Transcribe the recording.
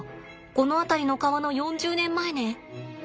この辺りの川の４０年前ね。